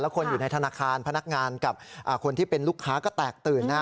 คนอยู่ในธนาคารพนักงานกับคนที่เป็นลูกค้าก็แตกตื่นนะ